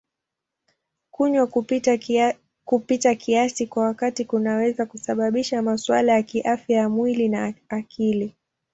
Kunywa kupita kiasi kwa wakati kunaweza kusababisha masuala ya kiafya ya mwili na akili.